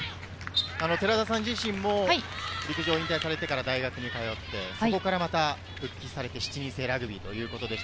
寺田さんも陸上を引退されてから大学に通って、そこから復帰されて７人制ラグビーということでした。